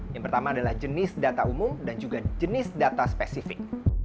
yang pertama adalah jenis data umum dan juga jenis data spesifik